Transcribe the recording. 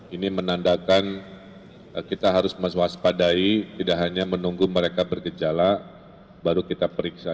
ini menandakan kita harus meswaspadai tidak hanya menunggu mereka bergejala baru kita periksa